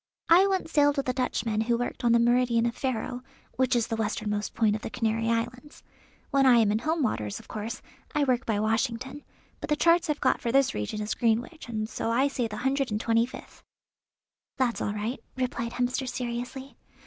I once sailed with a Dutchman who worked on the meridian of Ferro, which is the westernmost point of the Canary Islands. When I am in home waters of course I work by Washington, but the charts I've got for this region is Greenwich, and so I say the hundred and twenty fifth." "That's all right," replied Hemster seriously.